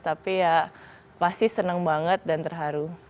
tapi ya pasti senang banget dan terharu